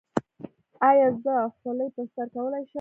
ایا زه خولۍ په سر کولی شم؟